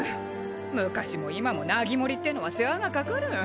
昔も今もナギモリってのは世話がかかる。